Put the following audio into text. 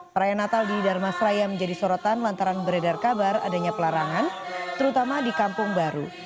perayaan natal di darmasraya menjadi sorotan lantaran beredar kabar adanya pelarangan terutama di kampung baru